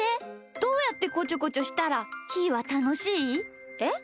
どうやってこちょこちょしたらひーはたのしい？えっ？